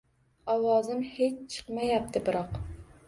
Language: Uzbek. Ovozim hech chiqmaydi biroq.